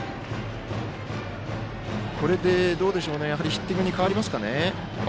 ヒッティングに変わりますかね。